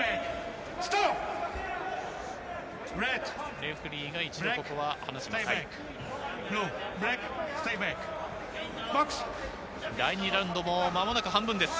レフェリーが一度ここは離します。